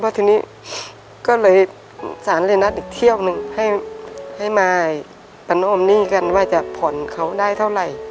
ทีนี้ก็เลยสารเลยนัดอีกเที่ยวหนึ่งให้มาประโนมหนี้กันว่าจะผ่อนเขาได้เท่าไหร่